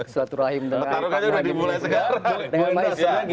silaturahim dengan pak anies sandi